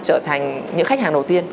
trở thành những khách hàng đầu tiên